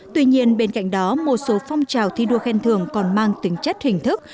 tuy nhiên bên cạnh đó một số phong trào thi đua khen thường còn mang tính chất hình thức